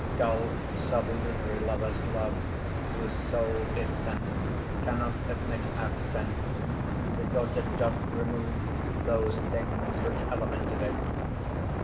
Dull sublunary lovers love (Whose soule is sense) cannot admit Absence, because it doth remove 15 Those things which elemented it.